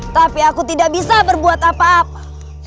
tapi aku tidak bisa berbuat apa apa